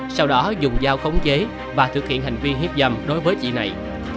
sau đó dùng dao khống chế và thực hiện hành vi hiếp dâm đối với chị này